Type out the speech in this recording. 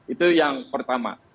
itu yang pertama